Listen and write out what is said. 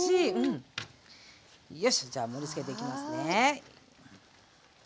よいしょじゃあ盛りつけていきますね。